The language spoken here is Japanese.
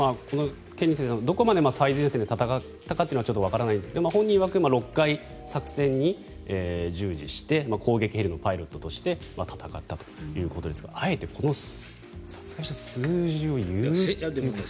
どこまで最前線で戦ったかはわからないんですが本人いわく６回作戦に従事して攻撃ヘリのパイロットとして戦ったということですがあえてこの殺害した数字を言うというのは。